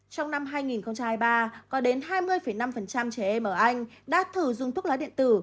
trong năm hai nghìn hai mươi ba có đến hai mươi năm trẻ em ở anh đã thử dùng thuốc lá điện tử